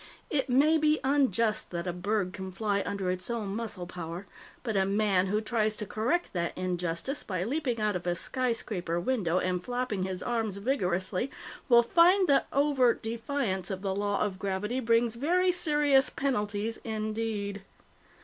It may be unjust that a bird can fly under its own muscle power, but a man who tries to correct that injustice by leaping out of a skyscraper window and flapping his arms vigorously will find that overt defiance of the Law of Gravity brings very serious penalties indeed.